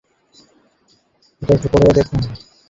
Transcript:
এটা একটু পড়ে দেখুন!